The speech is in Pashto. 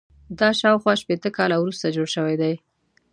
دا شاوخوا شپېته کاله وروسته جوړ شوی دی.